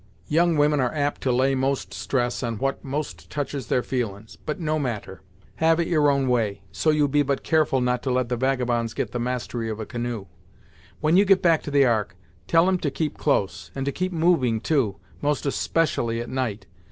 Young women are apt to lay most stress on what most touches their feelin's; but no matter; have it your own way, so you be but careful not to let the vagabonds get the mastery of a canoe. When you get back to the Ark, tell 'em to keep close, and to keep moving too, most especially at night.